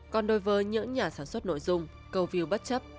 còn đối với những nhà sản xuất nội dung câu view bất chấp